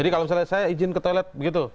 jadi kalau misalnya saya izin ke toilet begitu